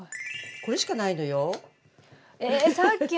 これしかないのよ。